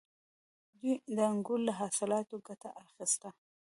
دوی د انګورو له حاصلاتو ګټه اخیسته